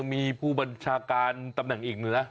มีผู้บัญชาการตำแหน่งอีกเหนือ